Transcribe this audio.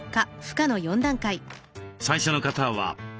最初の方は。